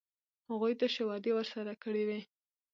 هغوی تشې وعدې ورسره کړې وې.